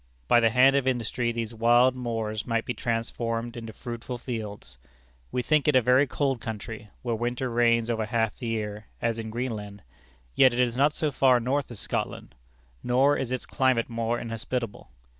By the hand of industry, these wild moors might be transformed into fruitful fields. We think it a very cold country, where winter reigns over half the year, as in Greenland; yet it is not so far north as Scotland, nor is its climate more inhospitable.